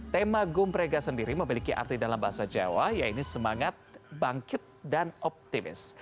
tema gumprega sendiri memiliki arti dalam bahasa jawa yaitu semangat bangkit dan optimis